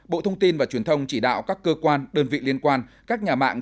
bộ thông tin và truyền thông chỉ đạo các cơ quan đơn vị liên quan các nhà mạng